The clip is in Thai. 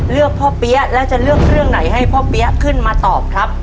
เลือกพ่อเปี๊ยะแล้วจะเลือกเรื่องไหนให้พ่อเปี๊ยะขึ้นมาตอบครับ